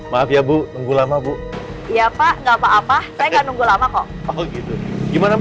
maaf ya bu nunggu lama bu iya pak enggak apa apa saya enggak nunggu lama kok gitu gimana bu